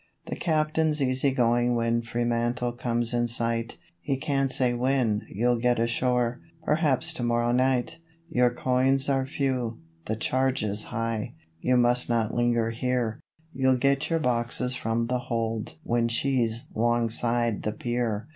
The captain's easy going when Fremantle comes in sight; He can't say when you'll get ashore 'perhaps to morrow night;' Your coins are few, the charges high; you must not linger here You'll get your boxes from the hold 'when she's 'longside the pier.